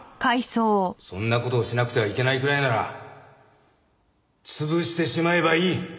そんな事をしなくてはいけないぐらいなら潰してしまえばいい。